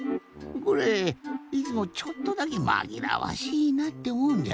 これいつもちょっとだけまぎらわしいなっておもうんじゃよ。